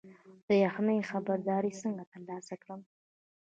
د یخنۍ خبرداری څنګه ترلاسه کړم؟